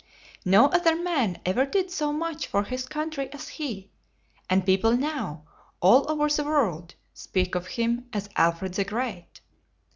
No other man ever did so much for his country as he; and people now, all over the world, speak of him as Alfred the Great.